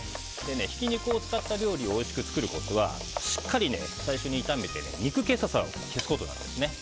ひき肉を使った料理をおいしく作るコツはしっかり最初に炒めて肉臭さを消すことです。